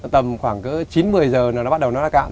tầm khoảng chín một mươi giờ là nó bắt đầu nó đã cạn